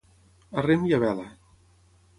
A rem i a vela.